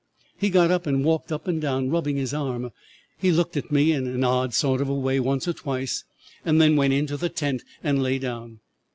"'He got up and walked up and down, rubbing his arm. He looked at me in an odd sort of way once or twice, and then went into the tent and lay down.